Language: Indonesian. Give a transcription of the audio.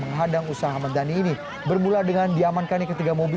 menghadang usaha ahmad dhani ini bermula dengan diamankannya ketiga mobil